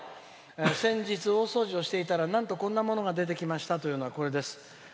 「先日、大掃除をしていたらなんとこんなものが出てきました」というのがこれです。